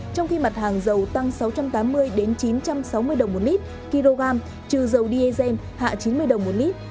trong khi mặt hàng dầu tăng sáu trăm tám mươi chín trăm sáu mươi đồng một lít kg trừ dầu diesel hạ chín mươi đồng một lít